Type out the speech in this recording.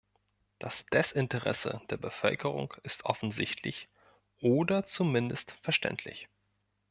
Das Desinteresse der Bevölkerung ist offensichtlich oder zumindest verständlich.